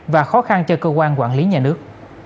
và khó khăn cho cơ quan quản lý nhà nước